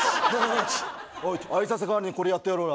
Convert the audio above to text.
おい挨拶代わりにこれやってるよ。